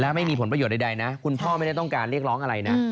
ไม่มีผลประโยชน์ใดนะคุณพ่อไม่ได้ต้องการเรียกร้องอะไรนะ